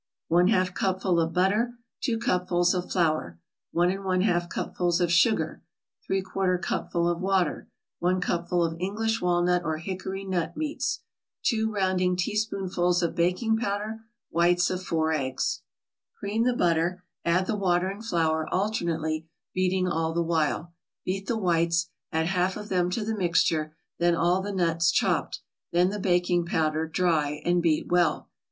1/2 cupful of butter 2 cupfuls of flour 1 1/2 cupfuls of sugar 3/4 cupful of water 1 cupful of English walnut or hickory nut meats 2 rounding teaspoonfuls of baking powder Whites of four eggs Cream the butter, add the water and flour, alternately, beating all the while. Beat the whites, add half of them to the mixture, then all the nuts, chopped, then the baking powder, dry, and beat well.